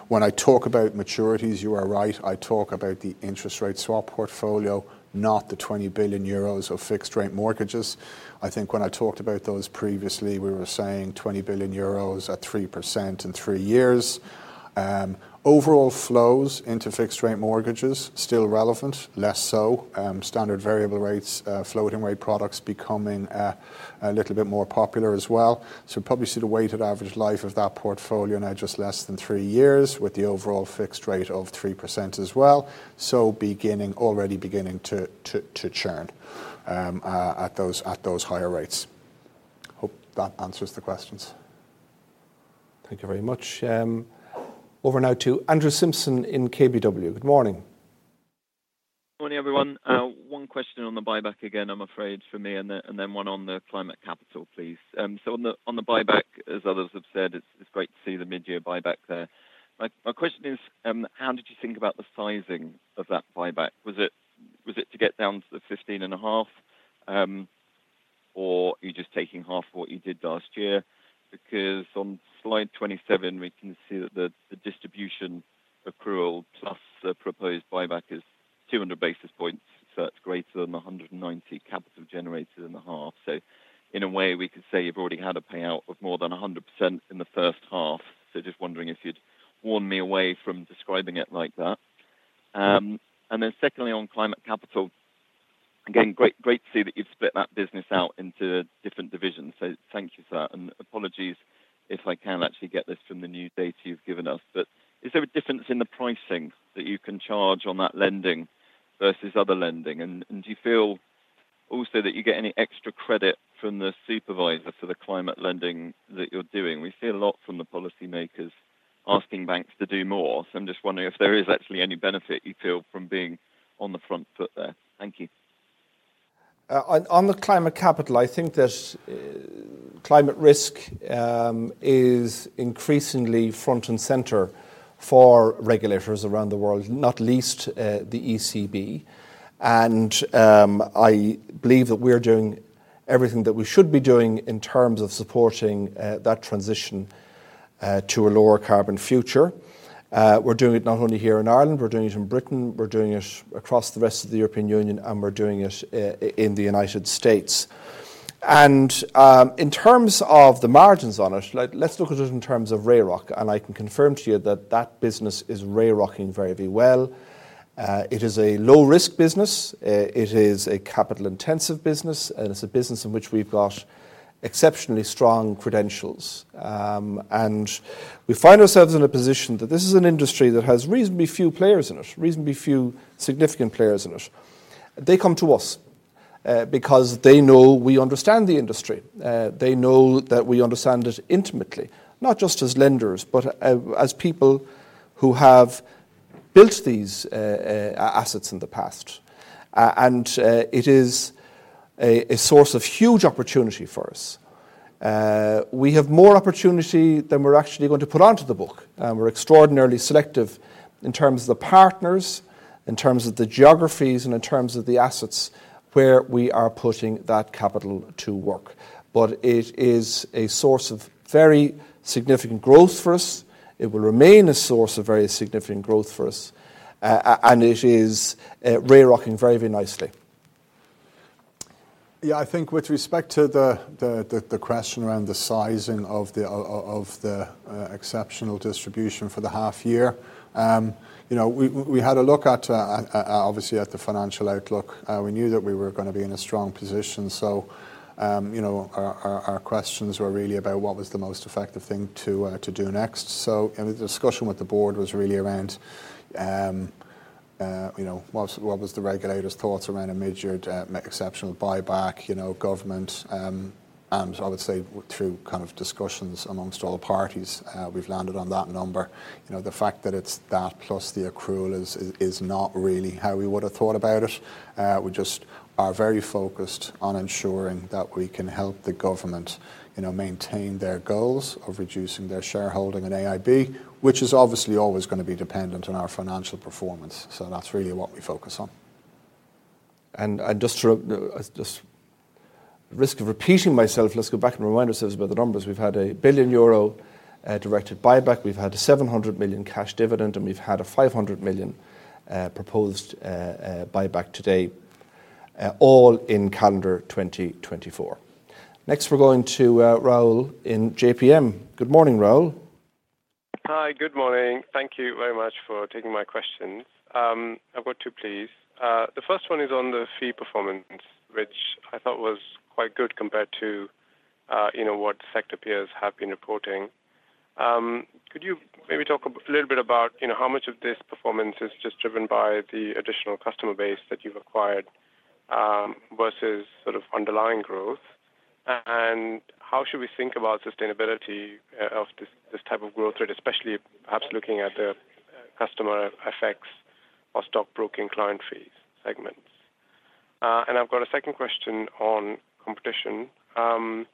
When I talk about maturities, you are right. I talk about the interest rate swap portfolio, not the 20 billion euros of fixed-rate mortgages. I think when I talked about those previously, we were saying 20 billion euros at 3% in three years. Overall flows into fixed-rate mortgages still relevant, less so. Standard variable rates, floating rate products becoming a little bit more popular as well. So probably see the weighted average life of that portfolio now just less than three years, with the overall fixed rate of 3% as well. So already beginning to churn at those higher rates. Hope that answers the questions. Thank you very much. Over now to Andrew Simpson in KBW. Good morning. Morning, everyone. One question on the buyback again, I'm afraid, for me, and then one on Climate Capital, please. So on the buyback, as others have said, it's great to see the mid-year buyback there. My question is, how did you think about the sizing of that buyback? Was it to get down to the 15.5, or are you just taking half of what you did last year? Because on slide 27, we can see that the distribution accrual plus the proposed buyback is 200 basis points, so that's greater than the 190 capital generated in the half. So in a way, we could say you've already had a payout of more than 100% in the first half. So just wondering if you'd warn me away from describing it like that. And then secondly, Climate Capital. again, great, great to see that you've split that business out into different divisions, so thank you for that. And apologies if I can't actually get this from the new data you've given us, but is there a difference in the pricing that you can charge on that lending versus other lending? And do you feel also that you get any extra credit from the supervisor for the climate lending that you're doing? We see a lot from the policymakers asking banks to do more, so I'm just wondering if there is actually any benefit you feel from being on the front foot there. Thank you. On Climate Capital, i think that climate risk is increasingly front and center for regulators around the world, not least the ECB. And I believe that we're doing everything that we should be doing in terms of supporting that transition to a lower carbon future. We're doing it not only here in Ireland, we're doing it in Britain, we're doing it across the rest of the European Union, and we're doing it in the United States. And in terms of the margins on it, let's look at it in terms of roaring, and I can confirm to you that that business is roaring very, very well. It is a low-risk business, it is a capital-intensive business, and it's a business in which we've got exceptionally strong credentials. And we find ourselves in a position that this is an industry that has reasonably few players in it, reasonably few significant players in it. They come to us, because they know we understand the industry. They know that we understand it intimately, not just as lenders, but, as people who have built these assets in the past. And, it is a source of huge opportunity for us. We have more opportunity than we're actually going to put onto the book, and we're extraordinarily selective in terms of the partners, in terms of the geographies, and in terms of the assets where we are putting that capital to work. But it is a source of very significant growth for us. It will remain a source of very significant growth for us, and it is rolling very, very nicely. Yeah, I think with respect to the question around the sizing of the exceptional distribution for the half year, you know, we had a look at obviously at the financial outlook. We knew that we were gonna be in a strong position, so you know, our questions were really about what was the most effective thing to do next. So and the discussion with the board was really around you know, what was the regulator's thoughts around a mid-year exceptional buyback, you know, government, and I would say through kind of discussions amongst all the parties, we've landed on that number. You know, the fact that it's that plus the accrual is not really how we would have thought about it. We just are very focused on ensuring that we can help the government, you know, maintain their goals of reducing their shareholding in AIB, which is obviously always gonna be dependent on our financial performance, so that's really what we focus on. Just to risk of repeating myself, let's go back and remind ourselves about the numbers. We've had a 1 billion euro directed buyback, we've had a 700 million cash dividend, and we've had a 500 million proposed buyback today, all in calendar 2024. Next, we're going to Raul in JPM. Good morning, Raul. Hi, good morning. Thank you very much for taking my questions. I've got two, please. The first one is on the fee performance, which I thought was quite good compared to, you know, what sector peers have been reporting. Could you maybe talk a little bit about, you know, how much of this performance is just driven by the additional customer base that you've acquired, versus sort of underlying growth? And how should we think about sustainability, of this, this type of growth rate, especially perhaps looking at the customer FX or stockbroking client fees segments? And I've got a second question on competition. I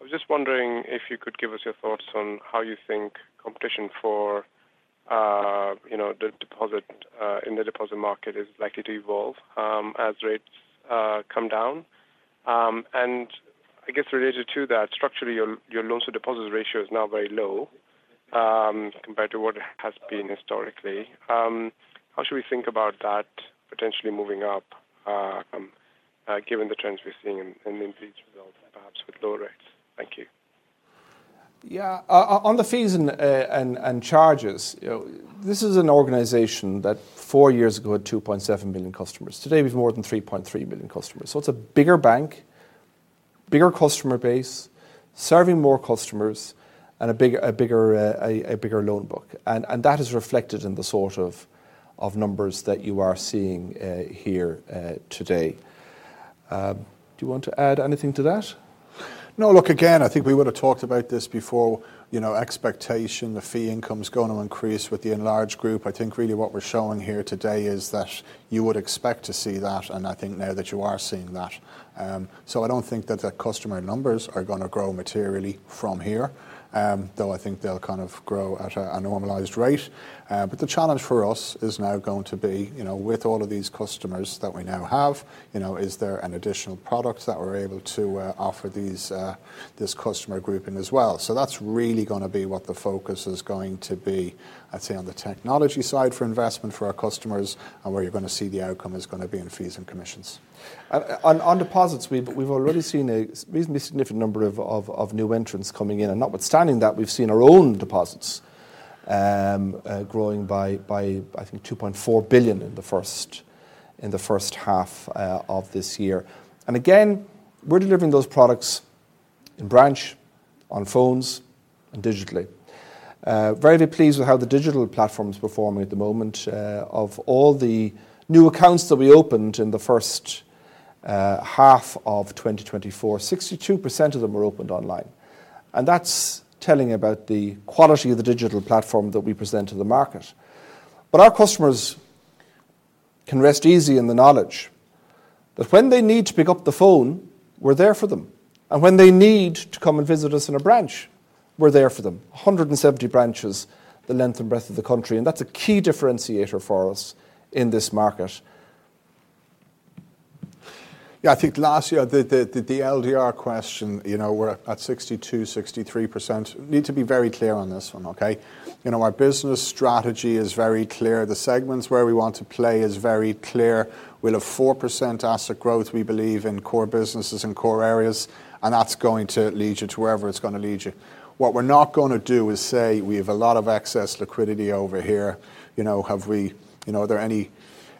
was just wondering if you could give us your thoughts on how you think competition for, you know, the deposit, in the deposit market is likely to evolve, as rates come down. And I guess related to that, structurally, your loans to deposits ratio is now very low, compared to what it has been historically. How should we think about that potentially moving up, given the trends we're seeing in these results, perhaps with lower rates? Thank you. Yeah, on the fees and charges, you know, this is an organization that four years ago had 2.7 million customers. Today, we have more than 3.3 million customers. So it's a bigger bank, bigger customer base, serving more customers and a bigger loan book, and that is reflected in the sort of numbers that you are seeing here today. Do you want to add anything to that? No, look, again, I think we would have talked about this before. You know, expectation, the fee income is going to increase with the enlarged group. I think really what we're showing here today is that you would expect to see that, and I think now that you are seeing that. So I don't think that the customer numbers are gonna grow materially from here, though I think they'll kind of grow at a normalized rate. But the challenge for us is now going to be, you know, with all of these customers that we now have, you know, is there an additional product that we're able to offer this customer grouping as well? That's really gonna be what the focus is going to be, I'd say, on the technology side for investment for our customers, and where you're gonna see the outcome is gonna be in fees and commissions. On deposits, we've already seen a reasonably significant number of new entrants coming in, and notwithstanding that, we've seen our own deposits growing by, I think, 2.4 billion in the first half of this year. And again, we're delivering those products in branch, on phones, and digitally. Very pleased with how the digital platform is performing at the moment. Of all the new accounts that we opened in the first half of 2024, 62% of them were opened online, and that's telling about the quality of the digital platform that we present to the market. Our customers can rest easy in the knowledge that when they need to pick up the phone, we're there for them, and when they need to come and visit us in a branch, we're there for them. 170 branches, the length and breadth of the country, and that's a key differentiator for us in this market. Yeah, I think last year, the LDR question, you know, we're at 62%-63%. Need to be very clear on this one, okay? You know, our business strategy is very clear. The segments where we want to play is very clear. We'll have 4% asset growth, we believe, in core businesses and core areas, and that's going to lead you to wherever it's gonna lead you. What we're not gonna do is say we have a lot of excess liquidity over here. You know, have we, you know, are there any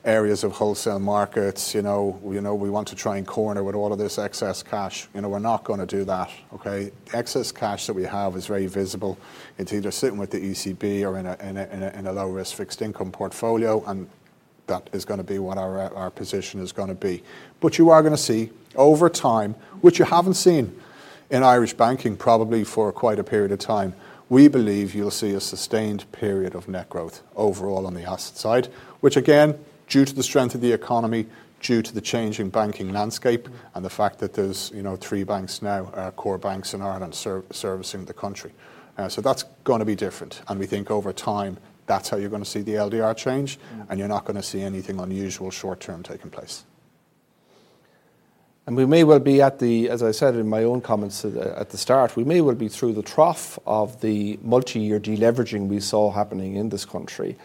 areas of wholesale markets, you know, you know, we want to try and corner with all of this excess cash? You know, we're not gonna do that, okay? Excess cash that we have is very visible. It's either sitting with the ECB or in a low-risk fixed income portfolio, and that is gonna be what our position is gonna be. But you are gonna see over time, which you haven't seen in Irish banking probably for quite a period of time, we believe you'll see a sustained period of net growth overall on the asset side, which again, due to the strength of the economy, due to the change in banking landscape, and the fact that there's, you know, three banks now, core banks in Ireland servicing the country. So that's gonna be different, and we think over time, that's how you're gonna see the LDR change, and you're not gonna see anything unusual short term taking place. We may well be at the... As I said in my own comments at the start, we may well be through the trough of the multi-year deleveraging we saw happening in this country.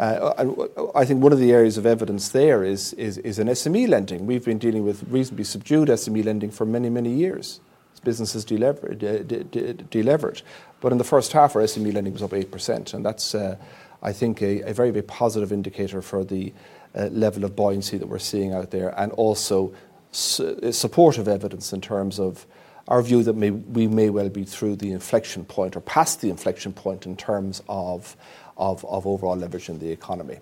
I think one of the areas of evidence there is in SME lending. We've been dealing with reasonably subdued SME lending for many, many years as businesses deleveraged. But in the first half, our SME lending was up 8%, and that's, I think, a very, very positive indicator for the level of buoyancy that we're seeing out there, and also supportive evidence in terms of our view that we may well be through the inflection point or past the inflection point in terms of overall leverage in the economy.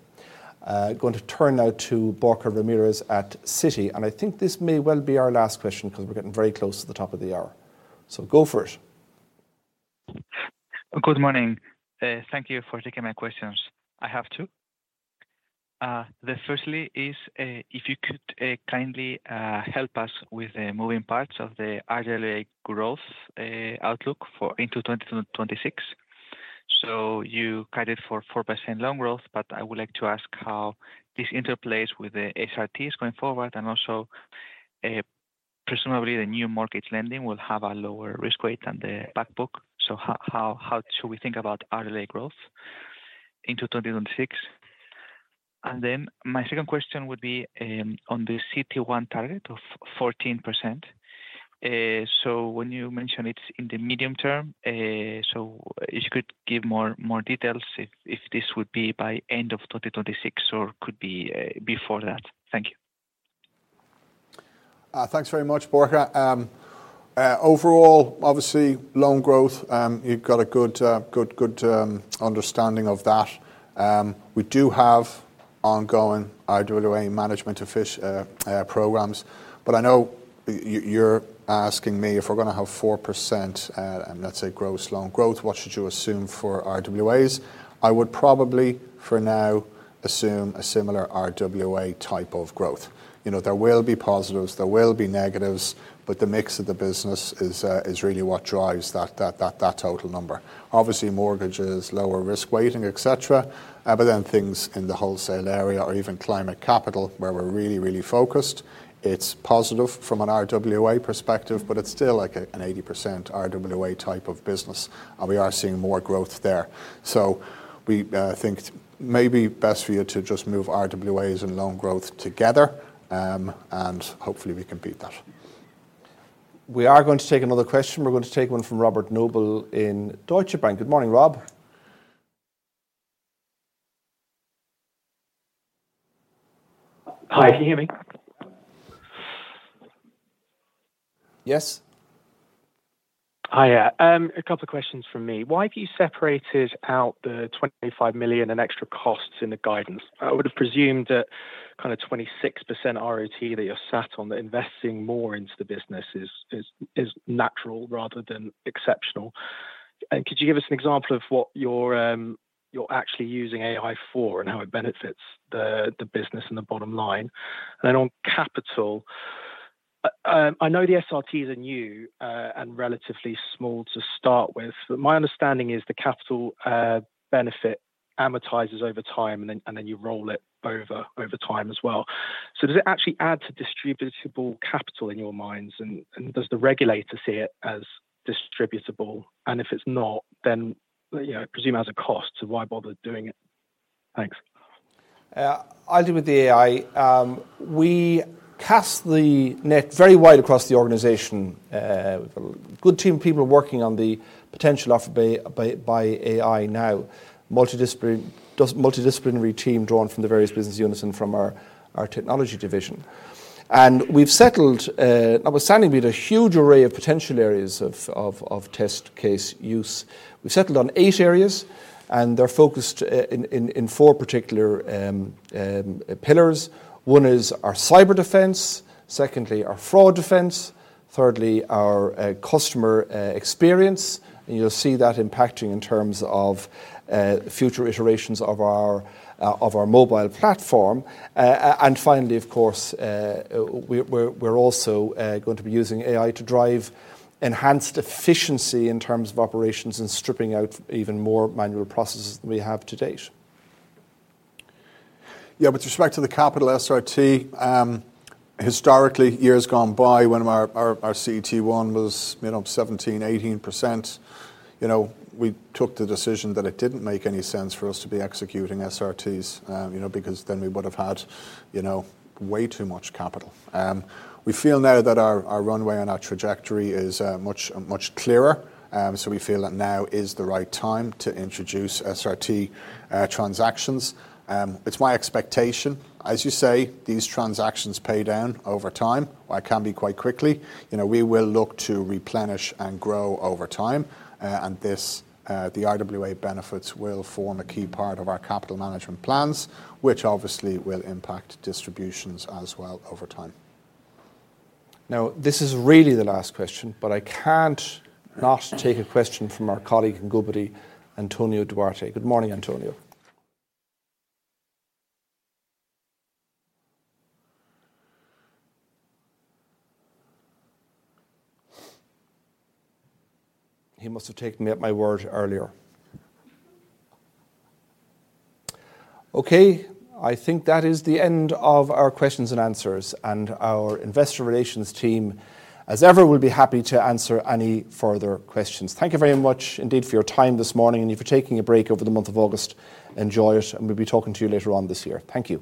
Going to turn now to Borja Ramirez at Citi, and I think this may well be our last question because we're getting very close to the top of the hour, so go for it. Good morning. Thank you for taking my questions. I have two. The first is, if you could kindly help us with the moving parts of the RWA growth outlook for into 2026. So you guided for 4% loan growth, but I would like to ask how this interplays with the SRTs going forward, and also, presumably, the new mortgage lending will have a lower risk weight than the back book. So how should we think about RWA growth into 2026? And then my second question would be on the CET1 target of 14%. So when you mention it's in the medium term, so if you could give more details, if this would be by end of 2026 or could be before that. Thank you. Thanks very much, Borja. Overall, obviously, loan growth, you've got a good, good, good understanding of that. We do have ongoing RWA management programs, but I know you're asking me if we're gonna have 4%, let's say, gross loan growth, what should you assume for RWAs? I would probably, for now, assume a similar RWA type of growth. You know, there will be positives, there will be negatives, but the mix of the business is really what drives that total number. Obviously, mortgages, lower risk weighting, et cetera, but then things in the wholesale area or Climate Capital, where we're really, really focused, it's positive from an RWA perspective, but it's still like an 80% RWA type of business, and we are seeing more growth there. We think maybe best for you to just move RWAs and loan growth together, and hopefully we can beat that. We are going to take another question. We're going to take one from Robert Noble in Deutsche Bank. Good morning, Rob. Hi, can you hear me? Yes. Hi, yeah. A couple of questions from me. Why have you separated out the 25 million in extra costs in the guidance? I would have presumed that kinda 26% ROTE that you're sat on, that investing more into the business is natural rather than exceptional. And could you give us an example of what you're actually using AI for and how it benefits the business and the bottom line? And then on capital, I know the SRTs are new and relatively small to start with, but my understanding is the capital benefit amortizes over time, and then you roll it over time as well. So does it actually add to distributable capital in your minds, and does the regulator see it as distributable? If it's not, then, you know, I presume it has a cost, so why bother doing it? Thanks. I'll deal with the AI. We cast the net very wide across the organization. We've a good team of people working on the potential offered by AI now, multi-disciplinary team drawn from the various business units and from our technology division. And we've settled, notwithstanding we had a huge array of potential areas of test case use, we've settled on eight areas, and they're focused in four particular pillars. One is our cyber defense, secondly, our fraud defense, thirdly, our customer experience, and you'll see that impacting in terms of future iterations of our mobile platform. And finally, of course, we're also going to be using AI to drive enhanced efficiency in terms of operations and stripping out even more manual processes than we have to date. Yeah, with respect to the capital SRT, historically, years gone by when our CET1 was, you know, 17%-18%, you know, we took the decision that it didn't make any sense for us to be executing SRTs, you know, because then we would have had, you know, way too much capital. We feel now that our runway and our trajectory is much clearer, so we feel that now is the right time to introduce SRT transactions. It's my expectation, as you say, these transactions pay down over time, or it can be quite quickly. You know, we will look to replenish and grow over time, and this, the RWA benefits will form a key part of our capital management plans, which obviously will impact distributions as well over time. Now, this is really the last question, but I can't not take a question from our colleague in Goodbody, Antonio Duarte. Good morning, Antonio. He must have taken me at my word earlier. Okay, I think that is the end of our questions and answers, and our investor relations team, as ever, will be happy to answer any further questions. Thank you very much indeed for your time this morning, and if you're taking a break over the month of August, enjoy it, and we'll be talking to you later on this year. Thank you.